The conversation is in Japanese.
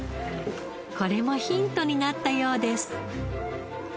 これもヒントになったようです。